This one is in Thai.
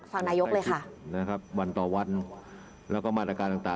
ฟังนายกเลยค่ะ